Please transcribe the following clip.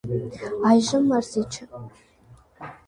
Այժմ մարզիչ է։